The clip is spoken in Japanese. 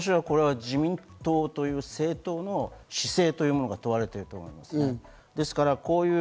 自民党という政党の姿勢というものが問われてると思いますね。